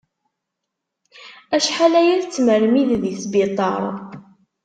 Acḥal aya i tettmermid di sbiṭar.